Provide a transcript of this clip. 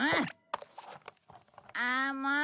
ああもう！